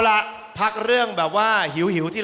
แล้วเราจะเปิดคุณไฟ